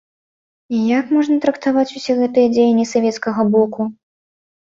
І як можна трактаваць усе гэтыя дзеянні савецкага боку?